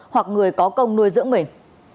hoặc người có công nuôi dưỡng mình